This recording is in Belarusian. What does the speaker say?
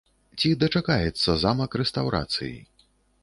Ці дачакаецца замак рэстаўрацыі?